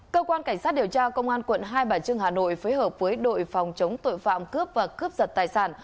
cơ quan cảnh sát điều tra công an quận hai bà trưng hà nội phối hợp với đội phòng chống tội phạm cướp và cướp giật tài sản